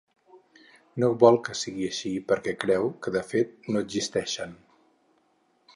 No vol que sigui així perquè creu que, de fet, no existeixen.